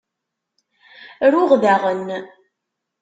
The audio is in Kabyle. Ruɣ daɣen.